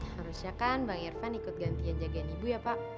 harusnya kan bang irvan ikut gantian jagaan ibu ya pak